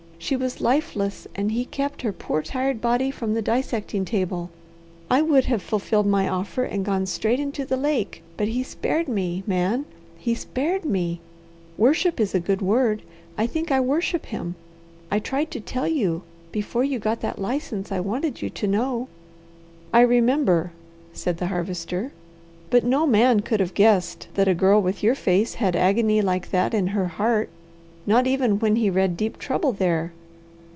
She was lifeless, and he kept her poor tired body from the dissecting table. I would have fulfilled my offer, and gone straight into the lake, but he spared me, Man! He spared me! Worship is a good word. I think I worship him. I tried to tell you. Before you got that license, I wanted you to know." "I remember," said the Harvester. "But no man could have guessed that a girl with your face had agony like that in her heart, not even when he read deep trouble there."